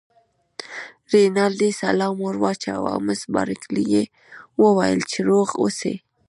رینالډي سلام ور واچاوه او مس بارکلي ته یې وویل چې روغ اوسی.